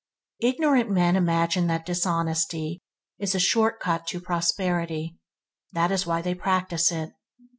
Ignorant men imagine that dishonesty is a short cut to prosperity. This is why they practice it.